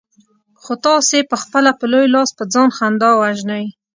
خو تاسې پخپله په لوی لاس په ځان خندا وژنئ.